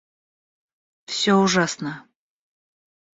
Всё ужасно